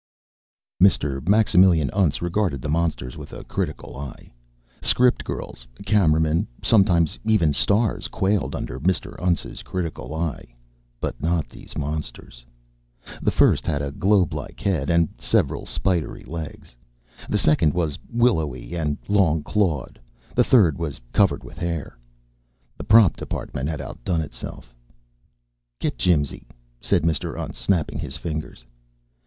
Mr. Maximilian Untz regarded the monsters with a critical eye. Script girls, cameramen, sometimes even stars quailed under Mr. Untz's critical eye but not these monsters. The first had a globelike head and several spidery legs. The second was willowy and long clawed. The third was covered with hair. The prop department had outdone itself. "Get Jimsy," said Mr. Untz, snapping his fingers.